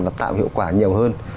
và tạo hiệu quả nhiều hơn